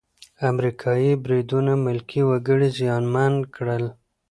امریکايي بریدونه ملکي وګړي زیانمن کړل.